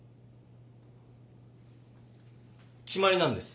決まりなんです。